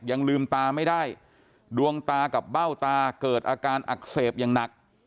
ยังลืมตาไม่ได้ดวงตากับเบ้าตาเกิดอาการอักเสบอย่างหนัก